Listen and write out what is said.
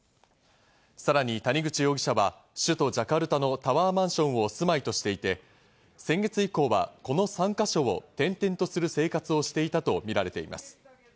さらに谷口容疑者は首都ジャカルタのタワーマンションを住まいとしていて、先月以降はこの３か所を転々とする生活をしていたとみられています。